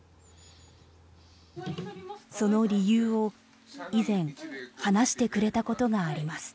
その理由を以前話してくれたことがあります。